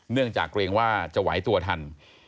เนื่องจากเกรงว่าจะไหวตัวทัน